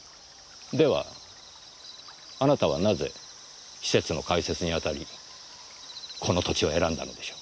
ではあなたはなぜ施設の開設にあたりこの土地を選んだのでしょう。